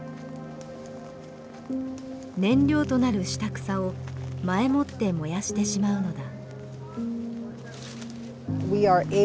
燃料となる下草を前もって燃やしてしまうのだ。